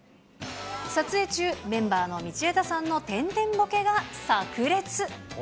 撮影中、メンバーの道枝さんの天然ボケがさく裂。